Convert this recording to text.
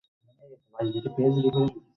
তিনি তার মাকে হারান।